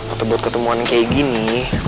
atau buat ketemuan kayak gini